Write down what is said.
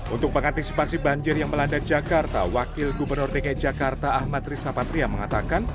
untuk pengantisipasi banjir yang melanda jakarta wakil gubernur dki jakarta ahmad rizapatria mengatakan